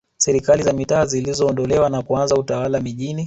Serikali za mitaa ziliondolewa na kuanza Utawala mijini